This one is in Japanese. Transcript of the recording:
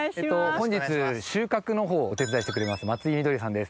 本日収穫のほうお手伝いしてくれます松井みどりさんです。